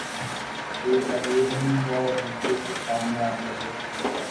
ایک عبور نہیں ہوا اور دوسرے سامنے آنے لگے۔